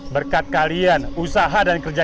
berkat kalian usaha dan kerja